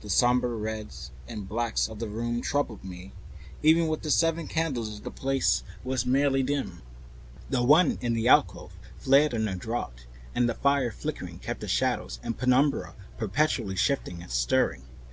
The sombre reds and grays of the room troubled me; even with its seven candles the place was merely dim. The light in the alcove flaring in a draft, and the fire flickering, kept the shadows and penumbra perpetually shifting and stirring in a noiseless flighty dance.